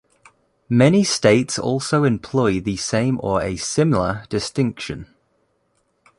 Many states also employ the same or a similar distinction.